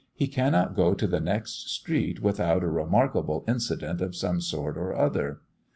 He cannot go to the next street without a remarkable incident of some sort or other.